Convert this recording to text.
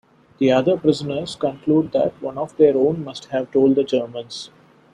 The other prisoners conclude that one of their own must have told the Germans.